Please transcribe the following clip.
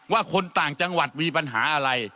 คนต่างจังหวัดมีปัญหาอะไร